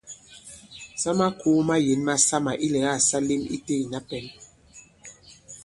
Sa makūu mayěn masamà ilɛ̀gâ sa lēm itē ìna pɛ̌n.